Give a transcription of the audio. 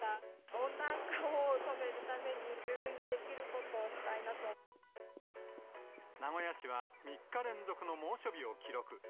温暖化を止めるために、名古屋市は３日連続の猛暑日を記録。